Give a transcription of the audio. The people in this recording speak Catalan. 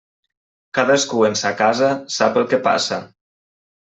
Cadascú en sa casa sap el que passa.